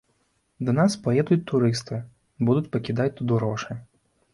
Да нас паедуць турысты, будуць пакідаць тут грошы.